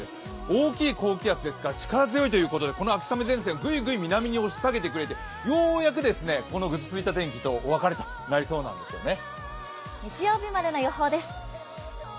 大きい高気圧ですから力強いということで、この秋雨前線グイグイ南に押し下げてくれてようやくこのぐずついた天気とお別れとなりそうなんですよね。